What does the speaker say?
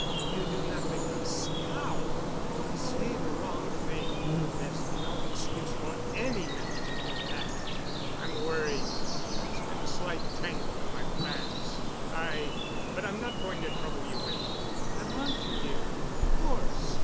You do nothing but scowl and say the wrong thing. There's no excuse for any man to do that." "I'm worried. There's been a slight tangle in my plans. I—but I'm not going to trouble you with——" "I want to hear—of course.